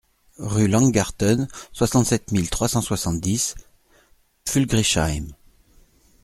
Rue Langgarten, soixante-sept mille trois cent soixante-dix Pfulgriesheim